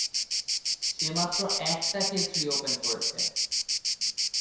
সে মাত্র একটা case reopen করেছে।